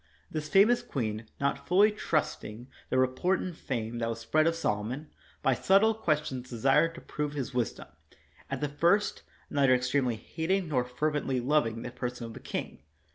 '' This famous queen, not fully trust 26 KNOX ing the report and fame that was spread of Solomon, by subtle questions desired to prove his wisdom, at the first, neither extremely hating nor fervently loving the person of the king.